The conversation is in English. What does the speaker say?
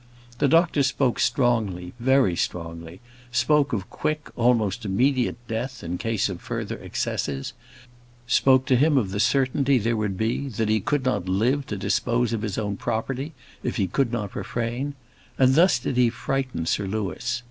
The doctor spoke strongly, very strongly; spoke of quick, almost immediate death in case of further excesses; spoke to him of the certainty there would be that he could not live to dispose of his own property if he could not refrain. And thus he did frighten Sir Louis.